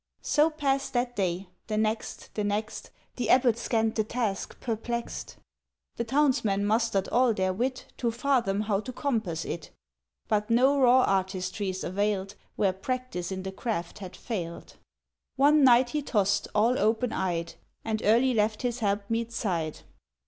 '" —So passed that day, the next, the next; The abbot scanned the task, perplexed; The townsmen mustered all their wit To fathom how to compass it, But no raw artistries availed Where practice in the craft had failed ... —One night he tossed, all open eyed, And early left his helpmeet's side.